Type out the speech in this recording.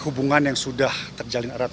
hubungan yang sudah terjalin erat